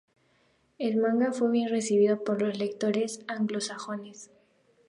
El manga fue bien recibido por los lectores anglosajones.